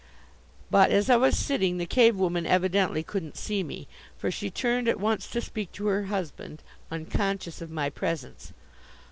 But as I was sitting the Cave woman evidently couldn't see me; for she turned at once to speak to her husband, unconscious of my presence.